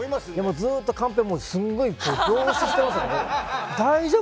ずっとカンペも凝視してますよね。